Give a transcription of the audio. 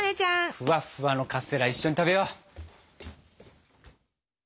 フワッフワのカステラ一緒に食べよう。